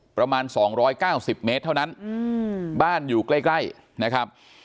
ประมาณ๒๙๐เมตรเท่านั้นบ้านอยู่ใกล้นะครับ